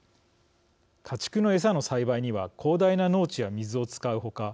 家畜の餌の栽培には広大な農地や水を使う他